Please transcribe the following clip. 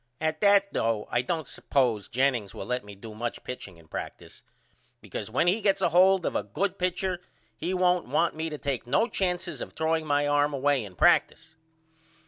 At that though I don't suppose Jennings will let me do much pitching in practice because when he gets a hold of a good pitcher he won't want me to take no chances of throwing my arm away in practice.